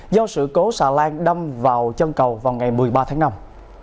do sự cố xà lan đâm vào chân cầu vào ngày một mươi ba tháng năm